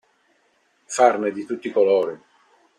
Farne di tutti i colori.